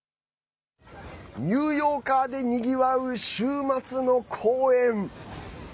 ニューヨーカーでにぎわう週末の公園。